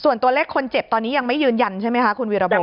ส่วนตัวเลขคนเจ็บตอนนี้ยังไม่ยืนยันใช่ไหมคะคุณวีรพล